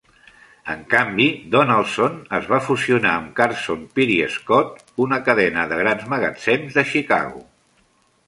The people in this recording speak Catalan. En canvi, Donaldson es va fusionar amb Carson Pirie Scott, una cadena de grans magatzems de Chicago.